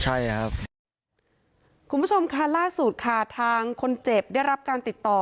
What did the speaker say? ใช่ครับคุณผู้ชมค่ะล่าสุดค่ะทางคนเจ็บได้รับการติดต่อ